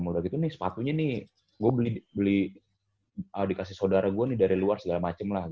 udah gitu nih sepatunya nih gue beli dikasih saudara gue nih dari luar segala macem lah